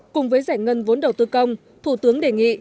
cùng với giải ngân vốn đầu tư công thủ tướng đề nghị